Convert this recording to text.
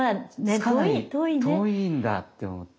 着かない遠いんだって思って。